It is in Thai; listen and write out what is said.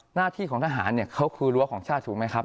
หน้าที่ของทหารเนี่ยเขาคือรั้วของชาติถูกไหมครับ